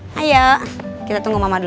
nanti dia akan datang ke sekolah reina